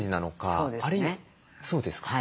そうですね。